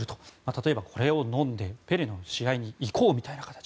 例えば、これを飲んでペレの試合に行こうと。